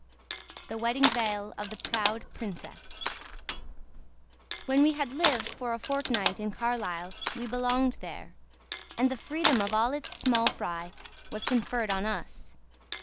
THE WEDDING VEIL OF THE PROUD PRINCESS When we had lived for a fortnight in Carlisle we belonged there, and the freedom of all its small fry was conferred on us.